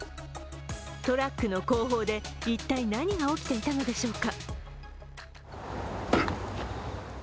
トラックの後方で一体何が起きていたのでしょうか。